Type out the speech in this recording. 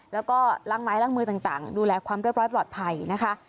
แล้วก็ล้างไม้ล้างมือต่างดูแลความเรียบร้อยปลอดภัยนะคะ